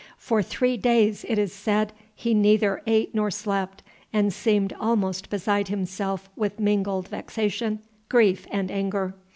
For three days, it is said, he neither ate nor slept, and seemed almost beside himself with mingled vexation, grief, and anger.